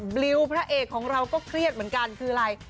บลิวพระเอกของเราก็เครียดเหมือนกันคืออะไร